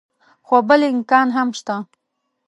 خو بل امکان هم شته.